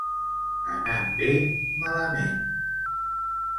Anant bé, malament.